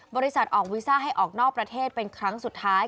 ออกวีซ่าให้ออกนอกประเทศเป็นครั้งสุดท้าย